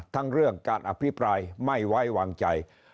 ทั้งเรื่องการอภิปรายไม่ไว้วางใจ